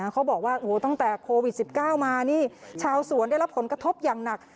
เขาบอกว่าตั้งแต่โควิด๑๙มานี่ชาวสวนได้รับผลกระทบอย่างหนัก